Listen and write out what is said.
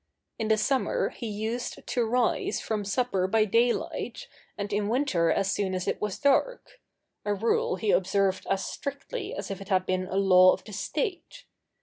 In the summer he used to rise from supper by daylight, and in winter as soon as it was dark: a rule he observed as strictly as if it had been a law of the state.